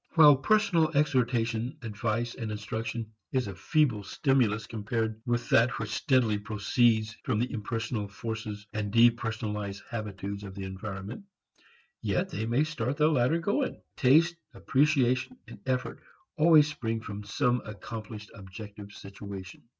While personal exhortation, advice and instruction is a feeble stimulus compared with that which steadily proceeds from the impersonal forces and depersonalized habitudes of the environment, yet they may start the latter going. Taste, appreciation and effort always spring from some accomplished objective situation.